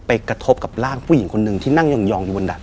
ไปกระทบกับร่างผู้หญิงคนหนึ่งที่นั่งยอง